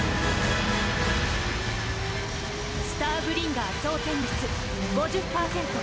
スターブリンガー装てん率５０％。